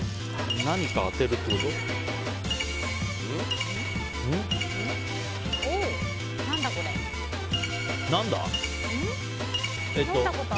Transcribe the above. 何か当てるってこと。